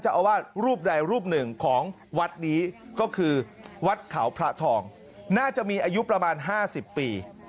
อาวาสรูปใดรูปหนึ่งของวัดนี้ก็คือวัดเขาพระทองน่าจะมีอายุประมาณ๕๐ปี